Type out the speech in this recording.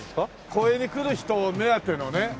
公園に来る人目当てのねほら！